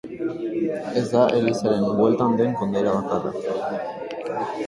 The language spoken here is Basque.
Ez da elizaren bueltan den kondaira bakarra.